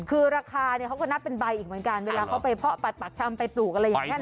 คือราคาเขาก็นับเป็นใบอีกเหมือนกันเวลาเขาไปเพาะปัดปากชำไปปลูกอะไรอย่างนี้